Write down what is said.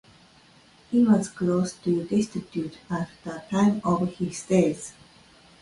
He was close to destitute at the time of his death.